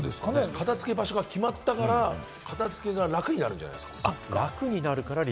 片付け場所が決まったから、片付けが楽になるんじゃないんですか？